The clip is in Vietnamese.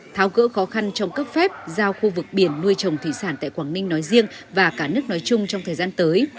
tháo gỡ khó khăn trong cấp phép giao khu vực biển nuôi trồng thủy sản tại quảng ninh nói riêng và cả nước nói chung trong thời gian tới